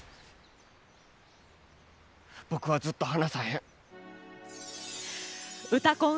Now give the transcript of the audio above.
僕は、ずっと離さへん。